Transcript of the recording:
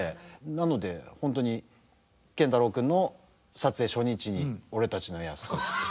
なので本当に健太郎君の撮影初日に「俺たちの泰時」っていう。